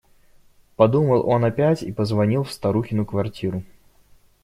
Подумал он опять и позвонил в старухину квартиру.